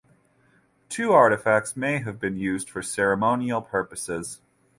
Two artifacts may have been used for ceremonial purposes.